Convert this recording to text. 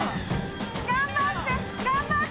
頑張って頑張って！